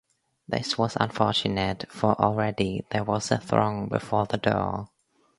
This was unfortunate, for already there was a throng before the door.